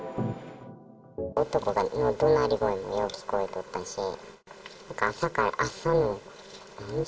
男のどなり声がよう聞こえとったし、朝から、朝の何時？